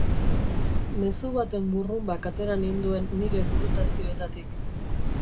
Mezu baten burrunbak atera ninduen nire burutazioetatik.